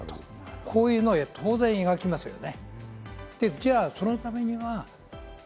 こういうのを当然、描きますよね。